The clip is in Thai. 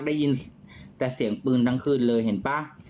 ได้ยินแต่เสียงปืนทั้งคืนเลยเห็นป่ะ